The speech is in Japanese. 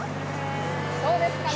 どうですかね？